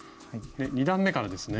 ２段めからですね。